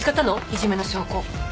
いじめの証拠。